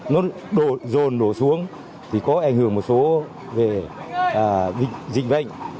nó đổ rồn đổ xuống thì có ảnh hưởng một số về dịch bệnh